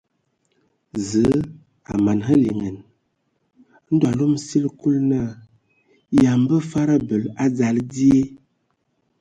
Zǝə a mana hm liŋan. Ndo a alom sili Kulu naa yǝ a mbǝ fad abel a dzal die.